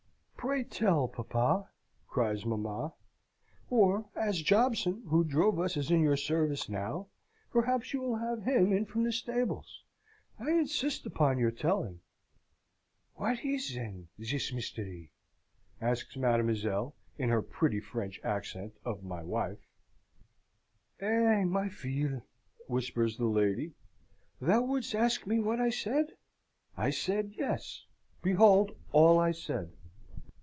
"Pray tell, papa!" cries mamma: "or, as Jobson, who drove us, is in your service now, perhaps you will have him in from the stables! I insist upon your telling!" "What is, then, this mystery?" asks mademoiselle, in her pretty French accent, of my wife. "Eh, ma fille!" whispers the lady. "Thou wouldst ask me what I said? I said 'Yes!' behold all I said."